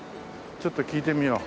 ちょっと聞いてみよう。